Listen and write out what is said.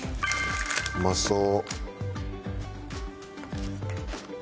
うまそう！